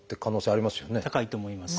高いと思います。